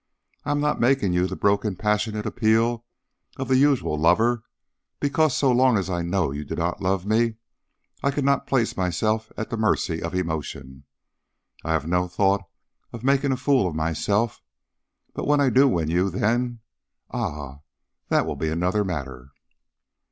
I am not making you the broken passionate appeal of the usual lover, because so long as I know you do not love me I could not place myself at the mercy of emotion I have no thought of making a fool of myself. But when I do win you then ah! that will be another matter."